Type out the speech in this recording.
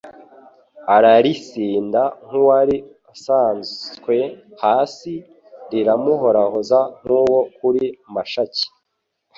aralisinda nk'uwari asanswe hasi, liramuhorahoza nk'uwo kuri Mashaki